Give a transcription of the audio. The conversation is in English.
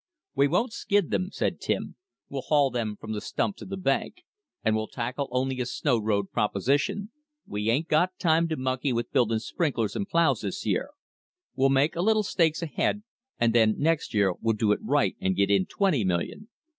"We won't skid them," said Tim. "We'll haul from the stump to the bank. And we'll tackle only a snowroad proposition: we ain't got time to monkey with buildin' sprinklers and plows this year. We'll make a little stake ahead, and then next year we'll do it right and get in twenty million.